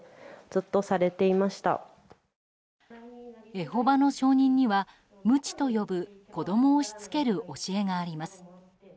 エホバの証人にはむちと呼ぶ子供をしつける教えがあります。